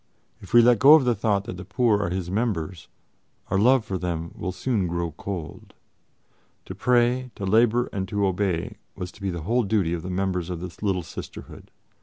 If we let go of the thought that the poor are His members, our love for them will soon grow cold." To pray, to labor and to obey was to be the whole duty of the members of the little sisterhood.